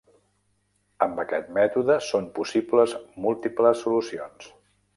Amb aquest mètode són possibles múltiples solucions.